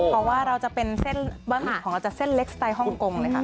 เพราะว่าเราจะเป็นเส้นเบิ้ลหอมของอาจารย์เส้นเล็กสไตล์ฮ้องกงเลยค่ะ